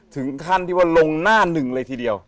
ถึงขั้นที่ว่าลงหน้าหนึ่งเลยทีเดียว